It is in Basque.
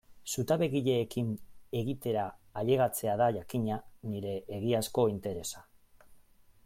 Zutabegileekin egitera ailegatzea da, jakina, nire egiazko interesa.